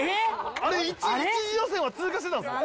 あれ１次予選は通過してたんですね！？